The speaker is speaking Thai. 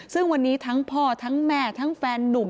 ซึ่งวันนี้ทั้งพ่อทั้งแม่ทั้งแฟนนุ่ม